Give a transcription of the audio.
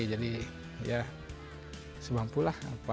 jadi ya sepampu lah